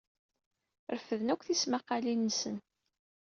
Refden akk tismaqqalin-nsen.